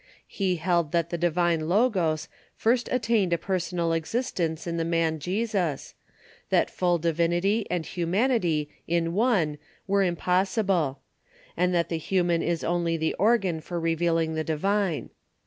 He held that the divine Logos first attained a personal existence in the man Jesus ; that full divinity and humanity in one were impossible ; and that the human is only the organ for revealing the divine.